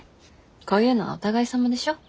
こういうのはお互いさまでしょ。